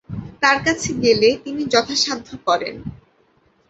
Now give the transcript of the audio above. তাঁর কাছে গেলে তিনি যথাসাধ্য করেন।